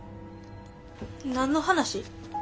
何の話？